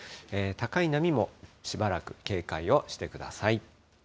高い波もしばらく警戒をしてください。